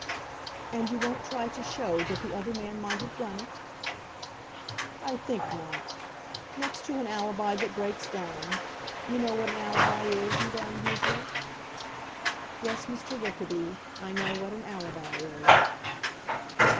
"And you won't try to show that the other man might have done it?" "I think not. Next to an alibi that breaks down; you know what an alibi is, Madame Goesler?" "Yes, Mr. Wickerby; I know what an alibi is."